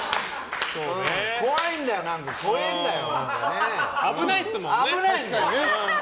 怖いんだよ、こえぇんだよ。